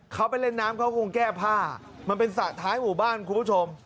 เขาไปเล่นน้ำเขาคงแก้ผ้ามันเป็นสระท้ายหมู่บ้านคุณผู้ชม